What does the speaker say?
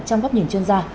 trong góc nhìn chuyên gia